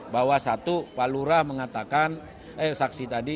bahwa satu pak lurah mengatakan eh saksi tadi